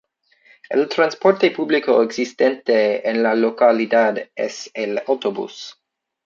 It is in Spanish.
El transporte público existente en la localidad es el autobús.